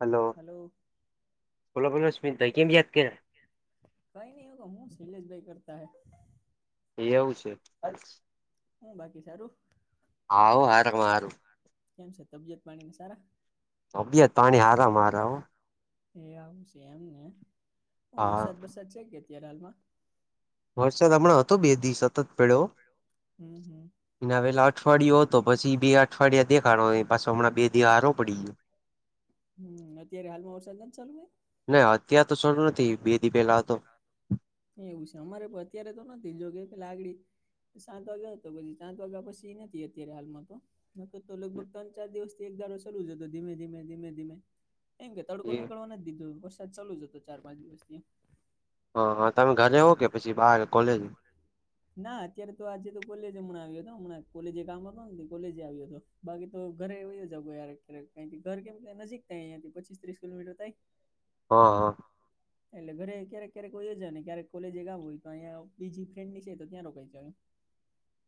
Hello hello બોલો બોલો સ્મિત ભાઇ કેમ યાદ કર્યા, કઈ નહી હું કવ હું શૈલેષ ભાઈ કરતા હશે,, એવું છે, હું બાકી સારૂ, હાવ હારામાં હારું કેમ છે તબિયત પાણી સારા, તબિયત પાણી હારા મારા હો, એ આવું છે એમ ને. હું મારા હો વરસાદ હા બરસાદ છે કે અત્યારે હાલમાં, વરસાદ હમણાં હતો બે દિ સતત પડ્યો, હ હ એના પહેલા અઠવાડિય હતો. પછી બે અઠવાડિયા દેખાણો. પાછો હમણાં બે દિ હારો પડી ગયો., હમ અત્યારે હાલમાં વરસાદ નથી ચાલુ, ના અત્યારે તો શરૂ નથી બે દિ પેલા હતો, એવું છે. અમારે પણ અત્યારે, તો નથી જો પેલા સાત વાગ્યા હતો પછી સાત વાગ્યા પછી નથી હાલમાં તો, નકર તો લગભગ ત્રણ ચાર દિવસથી, એક ધારો શરુ જ હતો ધીમે ધીમે ધીમે ધીમે, એમ કે તડકો નીકળવા નથી દીધો વરસાદ ચાલુજ હતો ચાર પાંચ દિવસથી, હા હા. તમે ઘરે હો કે, પછી બહાર બાર કોલેજ ભલે, ના અત્યારે તો આજે તો કોલેજ હમણા આવ્યો હતો. હમણાજ કોલેજ કામ હતો, કોલેજ આવ્યો હતો. બાકી તો ઘરે વયો જાવ કોઈ હારે ઘરે કારણકે ઘર અહીંયાથી નજીક થાયં પચીસ ત્રીસ કિલોમીટર થાય. [inaudible] હ હ એટલે ઘરે ક્યારેક ક્યારેક વયો જાવ ક્યારેક કોલેજે કામ હોય., તો અહીંયા બીજી ફ્રેન્ડ ની છે તો ત્યાં રોકાય જાવ,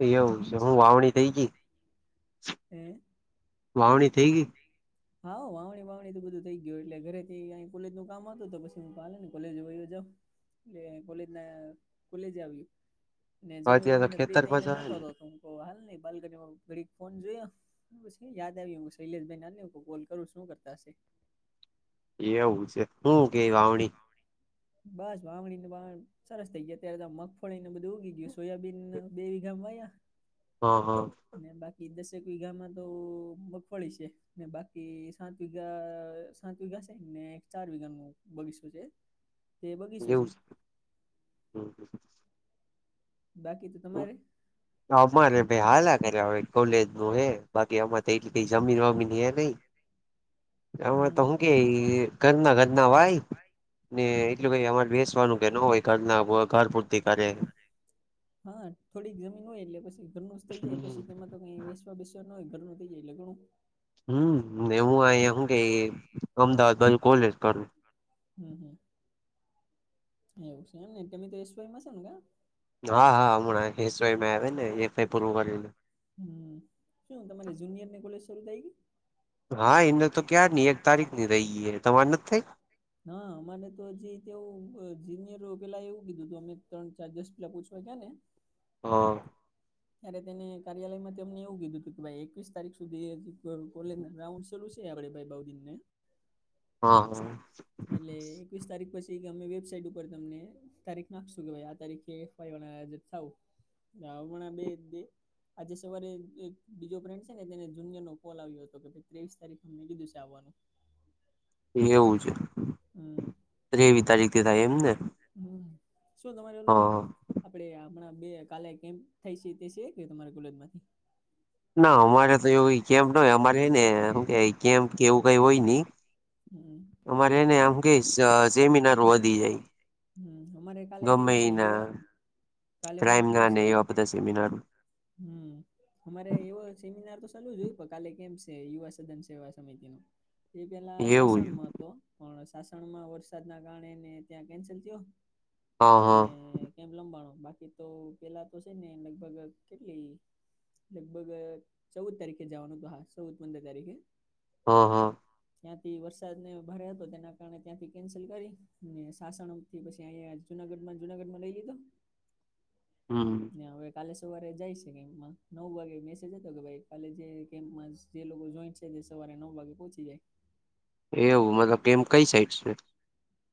એવું છે હું વાવણી થઈ ગઈ, હે, વાવણી થઈ ગઈ, હોવ. વાવણી બાવણી તો બધું થઈ ગયું. એટલે ઘરેથી અહિંયા કોલેજનું કામ હતું, તો પછી હું કહું હાલોને કોલેજ વયો જાઉં. એટલે કોલેજ ના કોલેજે આવ્યું. ને જમી અત્યારે તો બમીને ફ્રી ખેતર થઈને પાછા બેઠો તો, આવે તો તો હાલને બાલ્કનીમાં ઘણીક ફોન જોયો. તો પછી યાદ આઈવી. હું શૈલેષભાઈના હાલને કોલ કરું, શું કરતા હશે? એવું સે. હુ કેઈ વાવણી? બસ વાવણી [unintelligible] સરસ થઇ ગયા. અત્યારે તો આ મગફળીને એ બધું ઊગી ગયું. સોયાબીન બે વીઘામ વાયા. હા, હા. ને બાકી દસેક વીઘામાં તો મગફળી સે. ને બાકી સાત વિઘા, સાત વિઘા સાત સે, ને એક ચાર વિઘાનું બગીસું છે. [inaudible] બગીચો છે એવું સે! હમ્મ. બાકી તો તમારે? ભાઈ અમારે હાલા કર્યા હવે કોલેજ નું હે બાકી આમાં તો એટલી કઈ [inaudible] અમે તો હું કેઈ? ઈ ઘરના-ઘરના વાઈ. ને હમ એટલું હમ. કાંઈ અમારે વેસવાનું કે ન હોય, ઘર ના વ ઘર પૂરતી કરે. હા. થોડીક જમીન હોય. એટલે પસી ઘરનું જ થઈ જાય, પસી તેમાં તો ક્યાંય વેસવા-બેસવાન નો હોય, ઘરનું થઈ જાય એટલે ઘણું. હમ્મ. ને હું અહિયાં હું કેઈ, અમદાવાદ બાજુ કોલેજ કરું. હમ્મ-હમ્મ. એવું સે એમને. તમે તો એસ વાયમાં હશો ને કાં? હા, હા. હમણાં એક એસ વાયમાં આવે ને, એફ વાઈ પૂરું કરીને. હમ્મ. શું તમારી જુનિયર ની કોલેજ શરૂ થઈ ગઈ? હા. એને તો ક્યાર ની એક તારીખ ની થઈ ગઈ હે. તમારે નથ થઈ? ના. અમારે તો હજી તેઓ જુનિયરો, પહેલા એવું કીધું તું, અમે ત્રણ, ચાર દિવસ પહેલા પૂછવા ગયાં ને હા. ત્યારે તેને કાર્યાલયમાંથી અમને એવું કીધું તું, કે ભાઈ એકવીસ તારીખ સુધી હજી ક કોલેજ ના રાઉન્ડ્સ ચાલું સે આપણે ભાઈ હા હા [unintelligible] એટલે એકવીસ તારીખ પછી ઈ કે અમે વેબસાઈટ ઉપર તમને તારીખ નાખશું, કે ભાઈ આ તારીખે [unintelligible] [unintelligible] હમણાં [unintelligible] આજે સવારે એક બીજો ફ્રેન્ડ સે ને તેને એક જુનિયર નો કોલ આવ્યો તો, કે ભઈ ત્રેવીસ તારીખનું અમને કીધું સે આવવાનું. [inaudible] એવું છે! હમ ત્રેવીહ તારીખે થાય એમ ને? હમ્મ. શું તમારે ઓલાં આપણે હમણાં બે કાલે કેમ્પ થાય સે, તે સે કે તમારા કોલેજ માંથી? ના અમારે તો એવું ઈ કેમ્પ ના હોય. અમારે હેને હુ કેવાય, કેમ્પ કે એવું કાંઈ હોય નહીં. હમ્મ. અમારે હે ને આમ હુ કહેવાય સ સેમિનાર વધી જાય. હમ્મ. અમારેઈ કાલે ગમે કેમ્પ સે. એના યુવા, કાલે અમારે ક્રાઈમ કેમ્પ ના સે. ને એવા બધા સેમિનાર હમ્મ. અમારે એવા સેમિનાર તો સાલુ જ હોય, પણ કાલે કેમ્પ સે, યુવા સદન સેવા સમિતિ નું. તો ઈ પેલા એવું સાસણમાં હતો. પણ સાસણમાં વરસાદના કારણે ને ત્યાં કેન્સલ થયો. હા હા ને કેમ્પ લંબાણો. બાકી તો પહેલા તો સે ને લગભગ કેટલી લગભગ ચૌદ તારીખે જવાનું, તો હા ચૌદ પંદર તારીખે હા હા. ત્યાંથી ને ભારે તેના કારણે ત્યાંથી કેન્સલ કરી ને સાસણ થી પછી અયા જુનાગઢમાં જુનાગઢમાં લઈ તો. હમ્મ. હવે કાલે સવારે જાય છે. કેમ્પમાં નવ વાગે મેસેજ હતો કે ભાઈ કાલે જે કેમ્પમાં જ જે લોકો જોઈન્ટ છે, તે સવારે નવ વાગે પહોંચી જાય. એવું મતલબ કેમ કઈ સાઈડ છે.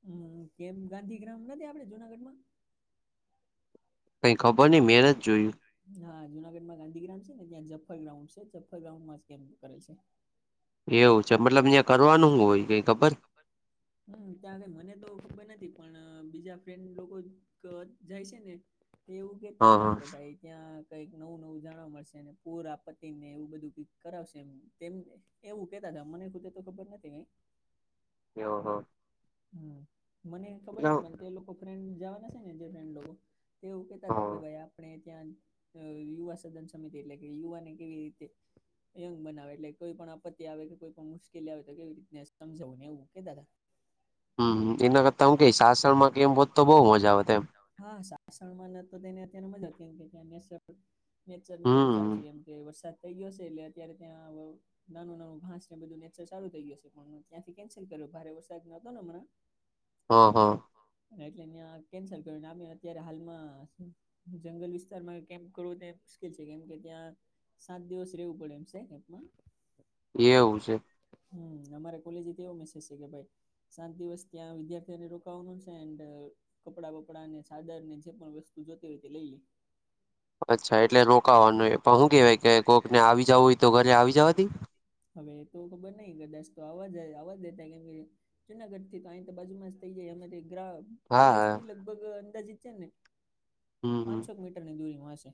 હમ કેમ ગાંધીગ્રામ નથી. આપડે જુનાગઢમાં કઈ નઈ મેં ખબર નઈં નથી બેર જ જોયું જોઈએ. હા જુનાગઢમાં ગાંધીગ્રામ છે, ને ત્યાં જફર ગ્રાઉન્ડ છે. જફ્ફર ગ્રાઉન્ડમાં જ કેમ કરે છે. એવું છે. મતલબ અ્યાં કરવાનું હોય કઈ ખબર હમ ત્યાં મને તો ખબર નથી, પણ બીજા ફ્રેન્ડ લોકો જાય છે ને. તે એવું કેહેતા હા હતા હા કે ભાઈ. ત્યાં કઈક નવું નવું જાણવા મળશે પૂર આપત્તિને એવું બધું કરાવશે. એમ તેમને એવું કેતા હતા. મને ખુદે તો ખબર નથી કઈ. એ હો. હમ મને ખબર નથીપણ તે લોકો ફ્રેન્ડ જવાના છે. ને જે ફ્રેન્ડ લોકો તે એવું કેહેતા હતા કે હા ભાઈ આપણે ત્યાં યુવા સદન સમિતિ એટલે કે યુવાને કેવી રીતે યંગ બનાવે એટલે કોઈ પણ આપત્તિ આવે. કે કોઈ પણ મુશ્કેલી આવે તો કેવી રીતને સમજાવુંને એવું કે દા હમ એના કરતા હું ક સાસણમાં કે એમ બત તો બઉુ મજા આવે એમ. હા. સા વાસણમાં ન તો તેને અત્યારે મજા કેમ કે્યાં નેચરને બધું સારું હમ છે. એમ કે વરસાદ થઈ ગયોશે એટલે અત્યારે ત્યાં નાનું નાનું ઘાસને બધું નેચર ચાલુ થઈ ગયશે હશે. પણ ત્યાંથી કેન્સલ કર્યો ભારે વરસાદના પણ અમણા હ, હ. એટલે અંયા કેન્સલ કર્યું. અત્યારે હાલમાં જંગલ વિસ્તારમાં કેમ્પ કરવું તે મુશ્કેલ છે. કેમ કે ત્યાં સાત દિવસ રહેવું પડે એમ સે કેમ્પમાં. એવું છે. હમ, અમારે કોલેજથી એવો મેસેજ છે, કે ભાઈ સાત દિવસ ત્યાં વિદ્યાર્થીઓને રોકાવાનું છે. એન્ડ કપડાં વપડા અને ચાદર ને જે પણ વસ્તુ જોતી હોય તે લઈએ. અચ્છા, એટલે રોકાવાનું એ પણ શું કેવાય કે કોઈકને આવી જવું હોય તો ઘરે આવી જવાથી. હવે એ તો ખબર નહિ ગદાચ તો, અવાજ આવવા દેતા કેમ કે જુનાગઢથી તો તો બાજુમાં થઈ જાય. અમે ગ્રહ હા કોલેજથી લ લગભગ અંદાજીત છે. ને હમ હમ પાંચસોક મીટરની દૂરીમાં હશે.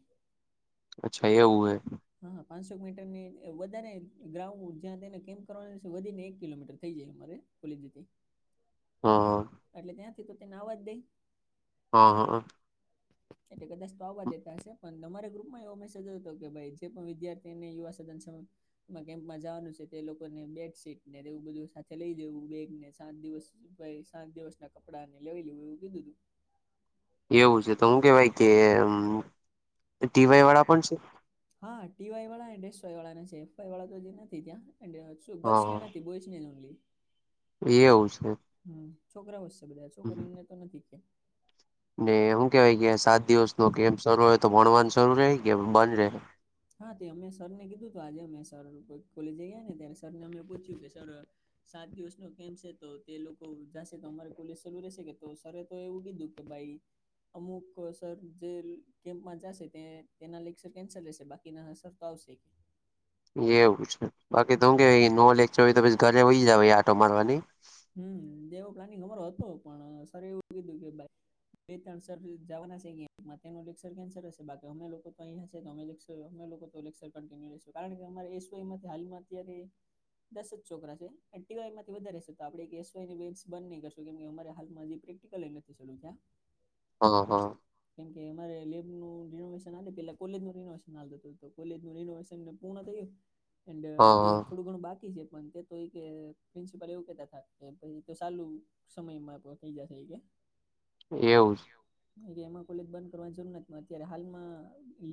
અચ્છા, એવું હૈ. હા, પાંચસો મીટરની વધારે ગ્રાઉન્ડ જ્યાં તેને કેમ કરવાનું વધીને એક કિલોમીટર થઈ જાય. અમારે ખોલી દીધી. હા, હા. એટલે ત્યાંથી તો તેને અવાજ દઈ. હ, હ એટલે કદાચ તો આવવા દેતા હશે પણ તમારા ગ્રુપમાં એવો મેસેજ હતો કે ભાઈ જે પણ વિદ્યાર્થી તેને [unintelligible] કેમ્પમાં જવાનું છે તે લોકોને બેડશીટ ને એવું બધું સાથે લઈ જવુ બેગને સાત દિવસ ભાઈ સાત દિવસ ના કપડા ને લઈલેવું એવું કીધું તું. એવું છે તો હું કેવાય કે ટીવાય વાળા પણ છે હા ટીવાય વાળા અને એસ વાય વાળા ને છે એફ વાય વાળા ને હજી નથી ત્યાં. શું ગર્લ્સને હા નથી, બોયઝ નેજ ઓન્લી. એવું છે છોકરાઓશે બધાં છોકરીઓને તો નથી ત્યાં. ને હુ કેવાય કે સાત દિવસનો કેમ્પ શરૂ હોય તો ભણવાન શરૂ રેય કે બંધ રે? હા, તે અમે સરને કીધું તો આજે અમે સર કોલેજ જઈએ ને ત્યારે સરને અમે પૂછ્યું કે સર સાત દિવસનો કેમ્પ છે તો તે લોકો જાશે તો અમારે કોલેજ શરૂ રેશે કે તો સરે તો એવું કીધું કે ભાઈ અમુક સર જે કેમ્પમાં જાશે. ને તેના લેક્સર કેન્સલ હશે, બાકીના સર તો આવશે. એવું છે બાકી તો હમ હું કેવાય નો લેક્ચર હોય તો ઘરે વહી જવાય, આટો મારવા નહીં. હમ, [unintelligible] અમારો હતો પણ સર એવું કીધું કે ભાઈ બે ત્રણ સર જવાના છે. કેમ્પ માં તેમનો લેક્સર કેન્સર જ. બાકી અમે લોકો તો અહિયાં છીએ તો અમે લેક્સર અમે લોકો તો લેક્સર કન્ટિનુ લેશું કારણ કે અમારે એસ વાય માંથી હાલમાં [unintelligible] દસ જ છોકરા છે. ટીવાયમાંથી વધારે છે. તો આપણે એક એસવાય ની બેસ બંધ નહી કરશું કેમકે અમારે હાલમાં [unintelligible] ત્યાં. હા, હા. કેમ કે અમારે લેબનું રિેનોવેસન હાલે પેલા કોલેજ નું રિનોવેશન હાલતું તું કોલેજનું રિનોવેશન પૂર્ણ થયું. એન્ડ હા હજી હા થોડું ઘણું બાકી છે પણ તે તોયતે પ્રિન્સિપાલ એવું કેતા તા કે ભાઈ ઈ તો સાલું સમયમાં [unintelligible] કે એવું જ. ખોટી એમાં કોલેજ બંધ કરવાની જરૂર નથ [unintelligible] અત્યારે હાલમાં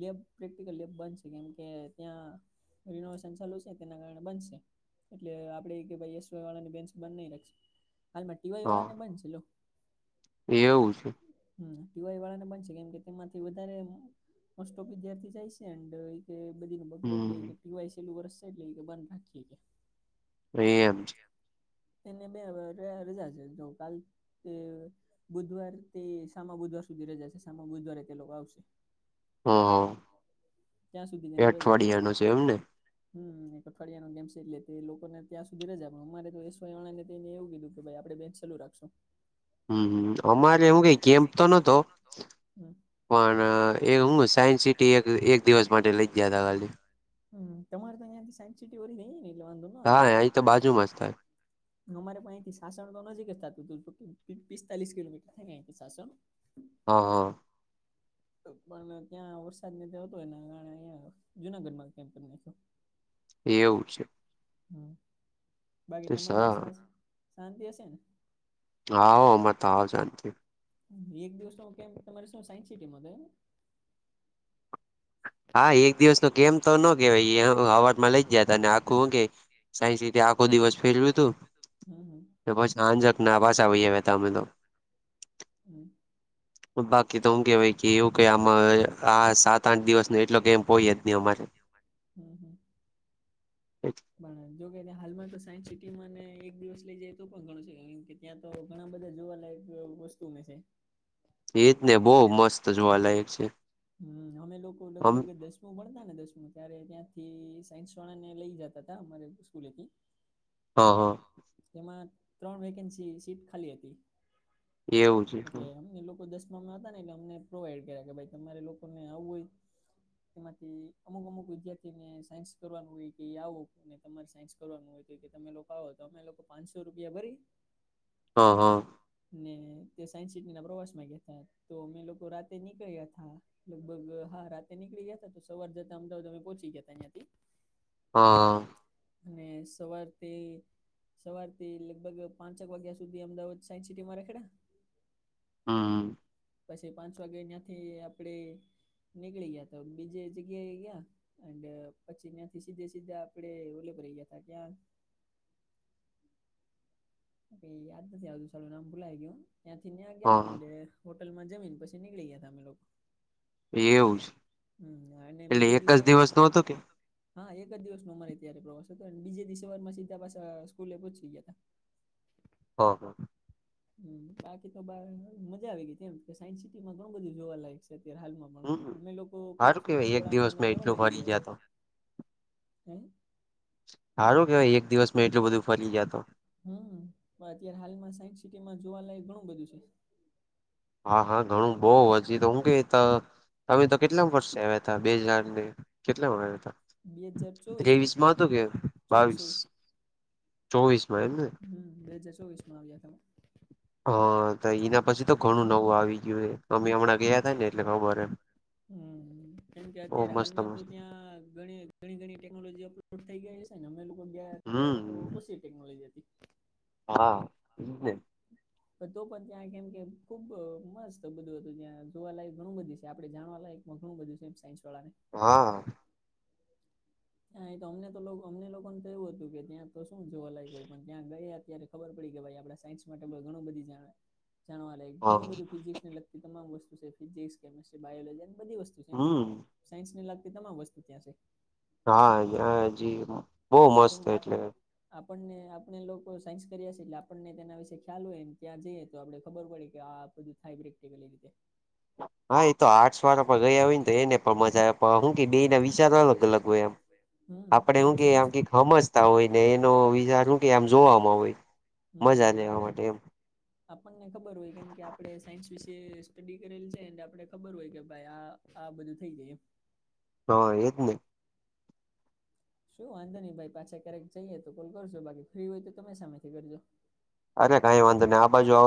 લેબ પ્રેક્ટિકલ લેબ બંધ છે કેમ કે ત્યાં રિનોવેશન ચાલુ છે તેના કારણે બનશે એટલે આપડે ઈકે ભાઈ એસવાય વાળાની બેન્ચ બંધ નહી [unintelligible] હાલમાં ટીવાઈ હા વાળા ને બંધ છે લો એવું છે હમ ટીવાય વાળાને બંધ છે કેમ કે તેમાંથી વધારે મોસ્ટ ઓફ વિદ્યાર્થી જાય છે [unintelligible] કે બધી ન બગડે એટલે હમ ટીવાય છેલું વર્ષ છે એટલે ઈકે બંધ રાખીએ ઈકે એમ તેને બે રજા છે જો કાલ તે બુધવાર તે સામા બુધવાર સુધી રજા છે સામા બુધવારે એ લોકો આવશે હા ત્યાં એ સુધીને રજા અઠવાડિયાનો છે એમને હમ એક અઠવાડિયાનો ગેમ છે એટલે તે લોકો ને ત્યાં સુધી રજા પણ અમારે તો એસવાય વાળા ને તો એને એવું કીધું કે ભઈ આપડે બેચ શરૂ રાખશું હમ હમ અમારે એવુ કઈ કેમ્પ તો નતો હમ પણ એ હું સાયન્સ સિટી એક એક દિવસ માટે લઈ ગ્યા તા ખાલી હમ તમારે તો અહીંયા થી સાયન્સ સિટી ઓરી નઈ ને એટલે વાંધો ન આવે હા અહીં તો બાજુમાં જ થાય અમારે પણ અય થી સાસણ તો નજીક જ થાતું તું પિસ્તાલીસ કિલોમીટર થાય આયથી સાસણ હા પણ ત્યાં વરસાદ [unintelligible] એના કારણે અહીંયા જુનાગઢમાં કેમ્પ કરી નાખ્યો. એવું છે. હું બાકી તમારે તો શાંતિ હશે. તો આવ [unintelligible] જાતી. એક દિવસ નો કેમ્પ તમારે શું સાયન્સ સિટી. [unintelligible] હા, એક દિવસ નો કેમ્પ તો ન કેવાય સવાર માં લઇ જયા હતા આખું હું કે. સાયન્સ સીટી આખો દિવસ ફેરવ્યું હતું હમ હમ ને પછી હાંજક પાછા વઈ આવ્યા હતા અમે લોકો. હું. બાકી તો હું કે વાય કે એવું કાંઈ આમાં આ સાત, આઠ, દિવસ નો એટલો કેમ્પ હોય જ નહી અમારે. હ, હ. પણ જોકેને હાલમાં તો સાયન્સ સિટીમાંને એક દિવસ લઇ જાય તો પણ ઘણું છે કારણ કે. ત્યાં તો ઘણા બધા જોવાલાયક વસ્તુ મે છે. એ જ ને બહુ મસ્ત જોવાલાયક છે. અમે લોકો અમે લગભગ દસ. ભણતા ને દસમું ત્યારે ત્યાંથી સાયન્સ વાળા ને લઈ જતા. [unintelligible] અમારે સ્કૂલેથી. હ. હ. એમાં ત્રણ વેકેન્સી સીટ ખાલી હતી. એવું છે એટલે અમને લોકો દસમામાં હતા ને એટલે અમને પ્રોવાઈડ કર્યા કે ભાઈ તમારે લોકોને આવવું હોય. તેમાંથી અમુક, અમુક વિદ્યાર્થીને, સાયન્સ કરવાનું હોય કે આવો. અને તમારે સાયન્સ કરવાનું હોય, તો કે તમે લોકો આવો, તો અમે લોકો પાંચસો રૂપિયા ભરી. હા હ. હા હ. ને તે સાયન્સ સિટી ના પ્રવાસ માં ગયા હતા. તો અમે લોકો રાતે નીકળ્યા હતા. લગભગ હા રાતે નીકળીયાા, તો સવાર જતા અમદાવાદ અમે પહોંચી ગયા હતા. અહીંયા થી. હ. ને સવાર તે. સવાર થી લગભગ પાંચક વાગ્યા સુધી અમદાવાદ સાયન્સ સિટીમાં રખડીયા. હા [unintelligible] પછી પાંચ વાગે ત્યાંથી આપડે નીકળી ગયા, તો બીજે જગ્યાએ ગયા. એ પછી સીધે સીધા આપણે ઓલા પણે ગયા હતા ક્યાં?. યાદ નથી આવતું સાલુ નામ ભુલાઈ ગયું ત્યાંથી ત્યાં ગયા હા ને. હોટલમાં જમીન પછી નીકળી ગયા હતા અમે લોકો એવું છે એવું અને એટલે બીજે એક જ દિવસે દિવસ નો [unintelligible] હતો કે હા એક જ દિવસ નો અમારે ત્યારે પ્રવાસ હતો અને બીજે દિવસે સવાર માં સીધા સવારમાં પાછા સ્કૂલે પહોંચી ગયા હતા. હ. હ. હ બાકી તો બ મજા આવી ગઈ એમ કે સાયન્સ સિટીમાં ઘણું બધું જોવા લયક છે અત્યારે હાલમાં હમ અમે લોકો સારું પૃથ્વી ના કેવાય એક દિવસ ગોળામાંને મેં ઘણું એટલું બધું ફરી ગયા છે તો હ. [inaudible] સારું કેવાય એક દિવસ માં એટલું બધું ફરી ગયા તો હું. અત્યારે હાલમાં સાયન્સ સિટીમાં જોવાલાયક ઘણું બધું છે. હા હા ઘણું બહુ હજી તો. તમે તો કેટલા માં વર્ષે આવ્યા હતા. બે જણાને લઈને કેટલા [unintelligible] આવ્યા હતા. બે હજાર ચોવીસમાં ત્રેવીસ માં હતું કે, ચોવીસ બાવીસ, ચોવીસ ચોવીસ માં એમ ને હ બે હજાર ચોવીસ માં આવ્યા ત. હ, તો એના પછી તો ઘણું નવું આવી ગયું છે. અમે હમણાં ગયા થા ને એટલે ખબર એમ. હ કેમ કે બહુ અત્યારે મસ્ત હાલમાં તો મસ્ત ત્યાં ઘણી. ઘણી, ઘણી ટેકનોલોજી થઈ ગઈ છે ને અમે લોકો ગયા ત્યારે તો હમ ઓછી ટેકનોલોજી હતી. હા હું બેન. [inaudible] તો પણ ત્યાં કેમ કે ખુબ અહ મસ્ત બધું હતું ત્યાં જોવાલાયક ઘણું બધું છે આપડે જાણવા લયક હ ઘણું બધું છે એમ સાયન્સ વાળાને. હા. હા એ તો અમને તો અમને લોકો ને થયું હતું કે ત્યાં તો શું જોવા લયક હોય પણ ત્યાં ગયા અત્યારે ખબર પડી કે ભાઈ આપડે સાયન્સ માટે પણ ઘણું બધી જાણ હે. જાણવા લાગે હા ઘણું બધું ફિઝિક્સને લગતી તમામ વસ્તુ છે ફિઝિક્સ કેમિસ્ટ્રી બાયોલોજી અને બધી વસ્તુ છે હમ સાયન્સ ને લાગતી તમામ વસ્તુ ત્યાં છે. હા હા જી હા. કેમ કે આપડે આપણને આપણે લોકો સાયન્સ કર્યા એટલે તેના વિશે ખ્યાલ હોયને ત્યાં જઈએ તો આપડે પડી કે આ બધું થાય થાય ક્ટિકલ એ રીતે. હા એ તો આર્ટસ વાળા પણ ગયા હોય ને તો એને પણ મજા હું કે બેના વિચારો અલગ અલગ હોય એમ. હમ આપડે કેમ હું કે સાયન્સ આમ કે હમજતા હોય ને એનો વિચાર શું કે આમ જોવામાં હોય હમ મજા લેવા આપડે માટે એમ. [inaudible] આપણને ખબર હોય કેમ કે આપડે સાયન્સ વિશે સ્ટડી કરેલ છે આપડે હોય કે ભાઈ આ આ બધું થઈ જાય. હા એજ ને. શું વાંધા નહીં ભાઈ પાછા ક્યારેક જઈએ તો કોલ કરજો બાકી ફ્રી હોય તો તમે સામેથી કરજો. અરે કઈ વાંધો નહી આ બાજુ આવ